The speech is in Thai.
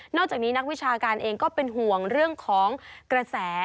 อกจากนี้นักวิชาการเองก็เป็นห่วงเรื่องของกระแส